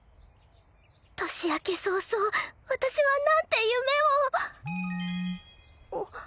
年明け早々私はなんて夢を。